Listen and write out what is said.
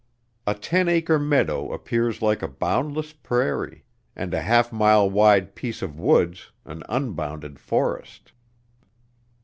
A ten acre meadow appears like a boundless prairie, and a half mile wide piece of woods an unbounded forest.